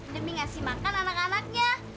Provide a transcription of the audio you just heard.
demi ngasih makan anak anaknya